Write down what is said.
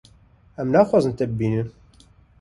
Em naxwazin te bibînin.